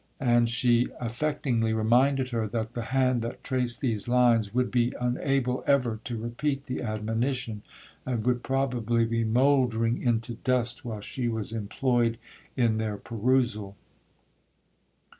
—And she affectingly reminded her, that the hand that traced these lines, would be unable ever to repeat the admonition, and would probably be mouldering into dust while she was employed in their perusal.